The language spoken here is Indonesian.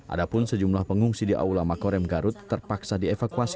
adapun sejumlah pengungsi di aulama korem garut terpaksa dievakuasi